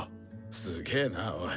すげなおい。